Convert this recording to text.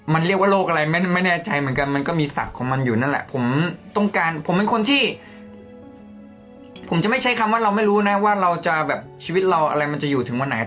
มันเรียกว่าโรคอะไรไม่แน่ใจเหมือนกันมันก็มีสัตว์ของมันอยู่นั่นแหละผมต้องการผมเป็นคนที่ผมจะไม่ใช้คำว่าเราไม่รู้นะว่าเราจะแบบชีวิตเราอะไรมันจะอยู่ถึงวันไหน